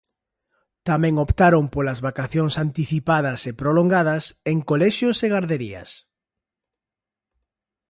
Tamén optaron polas vacacións anticipadas e prolongadas en colexios e garderías.